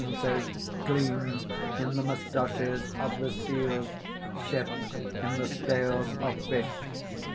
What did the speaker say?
] (_Phosphorences gleam in the moustaches of the seals, shift in the scales of fish.